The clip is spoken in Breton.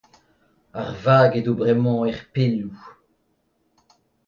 Ar vag edo bremañ er pelloù.